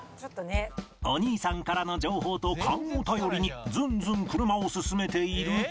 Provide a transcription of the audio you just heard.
お兄さんからの情報と勘を頼りにズンズン車を進めていると